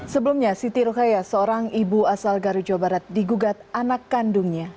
sebelumnya siti rokaya seorang ibu asal garut jawa barat digugat anak kandungnya